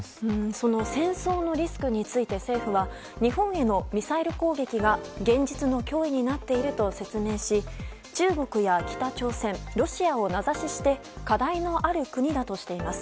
その戦争のリスクについて政府は日本へのミサイル攻撃が現実の脅威になっていると説明し中国や北朝鮮ロシアを名指しして課題のある国だとしています。